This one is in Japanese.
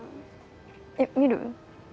えっ見る？